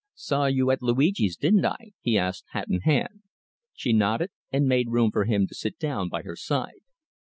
"Saw you at Luigi's, didn't I?" he asked, hat in hand. She nodded, and made room for him to sit down by her side.